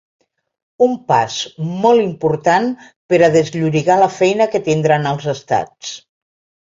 Un pas molt important per a desllorigar la feina que tindran els estats.